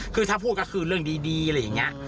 คือถ้าพูดก็คือเรื่องดีอะไรอย่างนี้